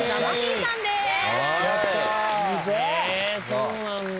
そうなんだ。